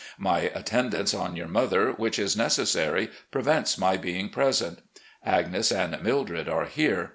My attendance on your mother, which is necessary, pre vents my being present. Agnes and Mildred are here.